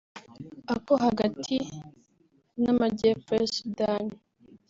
ako hagati n’Amajyepfo ya Sudani